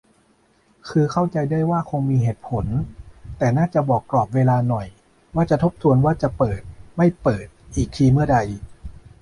คือเข้าใจได้ว่าคงมีเหตุผล แต่น่าจะบอกกรอบเวลาหน่อย ว่าจะทบทวนว่าจะเปิด-ไม่เปิดอีกทีเมื่อใด